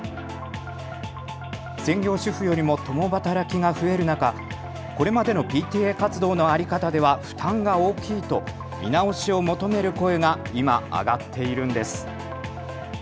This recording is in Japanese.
専業主婦よりも共働きが増える中、これまでのＰＴＡ活動の在り方では負担が大きいと見直しを求める声が今、上がっているんです。